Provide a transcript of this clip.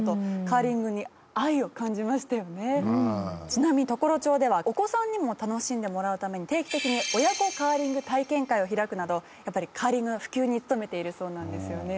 ちなみに常呂町ではお子さんにも楽しんでもらうために定期的に親子カーリング体験会を開くなどやっぱりカーリングの普及に努めているそうなんですよね。